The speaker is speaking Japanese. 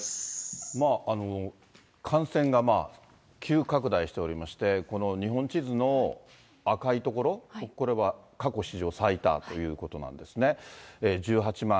感染が急拡大しておりまして、この日本地図の赤い所、これは過去史上最多ということなんですね。